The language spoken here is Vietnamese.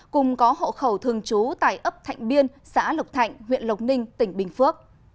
cùng có hộ khẩu thường trú tại ấp thạnh biên xã lộc thạnh huyện lộc ninh tỉnh bình phước